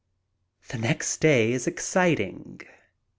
The next day is exciting.